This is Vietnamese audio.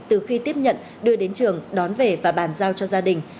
từ khi tiếp nhận đưa đến trường đón về và bàn giao cho gia đình